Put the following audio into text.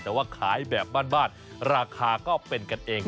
แต่ว่าขายแบบบ้านราคาก็เป็นกันเอง